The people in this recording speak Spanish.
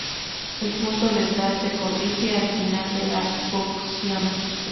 El punto de sal se corrige al final de la cocción.